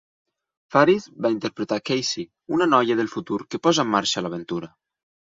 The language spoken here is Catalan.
Faris va interpretar Cassie, una noia del futur que posa en marxa l'aventura.